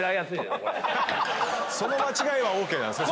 その間違いはＯＫなんですね。